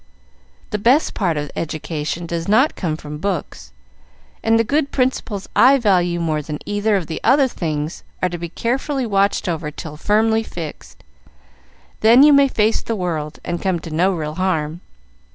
The best part of education does not come from books, and the good principles I value more than either of the other things are to be carefully watched over till firmly fixed; then you may face the world, and come to no real harm.